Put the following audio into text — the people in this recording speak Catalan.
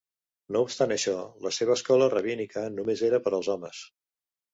No obstant això, la seva escola rabínica només era per als homes.